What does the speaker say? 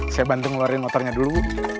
saya bantu ngeluarin motornya dulu